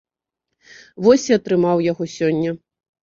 Вось і атрымаў яго сёння.